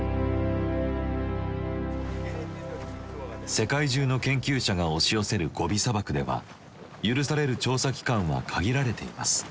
世界中の研究者が押し寄せるゴビ砂漠では許される調査期間は限られています。